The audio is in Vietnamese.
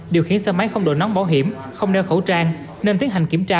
điều khiến xe máy không đội nón bảo hiểm không đeo khẩu trang nên tiến hành kiểm tra